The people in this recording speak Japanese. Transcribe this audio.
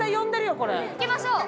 行きましょう。